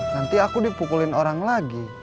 nanti aku dipukulin orang lagi